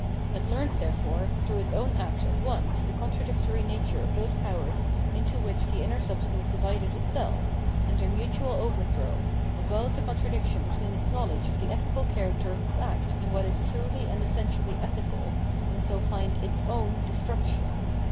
It learns, therefore, through its own act at once the contradictory nature of those powers into which the inner substance divided it self, and their mutual overthrow, as well as the contra diction between its knowledge of the ethical character of its act and what is truly and essentially ethical, and so finds its oum destruction.